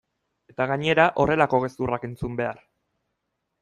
Eta gainera horrelako gezurrak entzun behar!